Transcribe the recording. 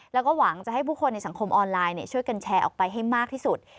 แล้วก็หวังจะให้ผู้คนในสังคมออนไลน์ช่วยกันแชร์ออกไปให้มากที่สุด